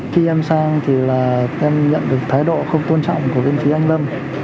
khi em sang thì là em nhận được thái độ không tôn trọng của bên phía anh lâm